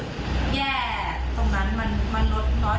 เห็นคอมเม้นท์ให้กำลังใจมันทำให้ความรู้สึกแย่ตรงนั้น